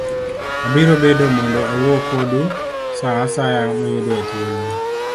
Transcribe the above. Abiro biro mondo awuo kodu sa asaya muyudoe thuolo.